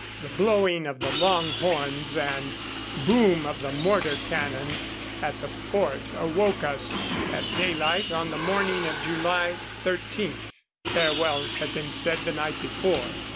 The blowing of the long horns and boom of the mortar cannon at the fort awoke us at daylight on the morning of July 13. Farewells had been said the night before.